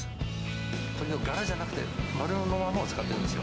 鶏のがらじゃなくて、丸のままを使ってるんですよ。